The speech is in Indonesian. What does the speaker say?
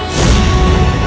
aku akan menangkanmu